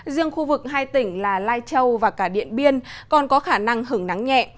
riêng khu vực hai tỉnh là lai châu và cả điện biên còn có khả năng hứng nắng nhẹ